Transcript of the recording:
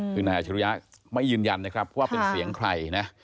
คือนายอัชรุยะไม่ยืนยันนะครับว่าเป็นเสียงใครนะ